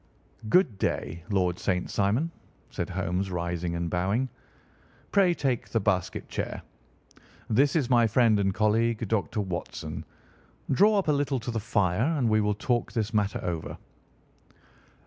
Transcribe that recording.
"Good day, Lord St. Simon," said Holmes, rising and bowing. "Pray take the basket chair. This is my friend and colleague, Dr. Watson. Draw up a little to the fire, and we will talk this matter over."